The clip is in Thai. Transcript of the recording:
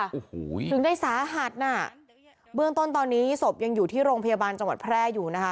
โอ้โหถึงได้สาหัสน่ะเบื้องต้นตอนนี้ศพยังอยู่ที่โรงพยาบาลจังหวัดแพร่อยู่นะคะ